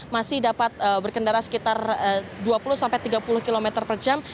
masih dapat berkendara sekitar dua puluh sampai tiga puluh km per jam